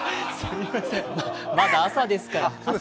まだ朝ですから。